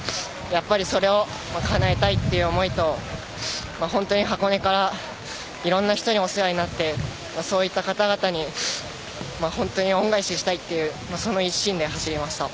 それをかなえたいという思いと本当に箱根からいろんな人にお世話になってそういった方々に本当に恩返ししたいっていうその一心で走りました。